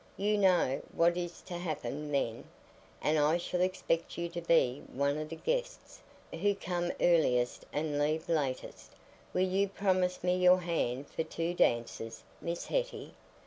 "You know what is to happen then, and I shall expect you to be one of the guests who come earliest and leave latest. Will you promise me your hand for two dances, Miss Hetty?